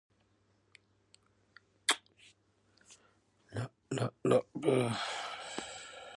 Black pepper, herbs and Worcestershire sauce are sometimes used in preparation.